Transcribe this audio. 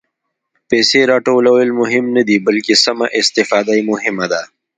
پېسې راټولول مهم نه دي، بلکې سمه استفاده یې مهمه ده.